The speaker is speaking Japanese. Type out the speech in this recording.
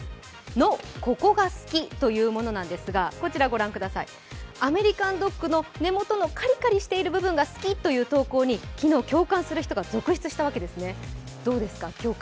「のココが好き」というものなんですがアメリカンドッグの根元のカリカリしている部分が好きという投稿に昨日、共感する人が続出したんですどうですか？